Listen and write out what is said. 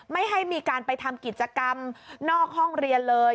ไม่ให้มีการไปทำกิจกรรมนอกห้องเรียนเลย